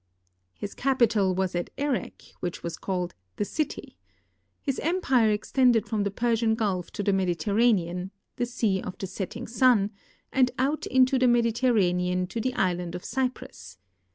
His capital was at Erech, which was called " The Cit3^" His empire extended fi om the Persian gulf to the Mediterranean, "the sea of the setting sun," and out into the Mediterranean to the island of Cyprus.